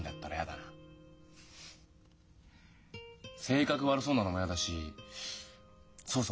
性格悪そうなのもやだしそう